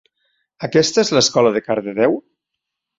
Aquesta és l'escola de Cardedeu?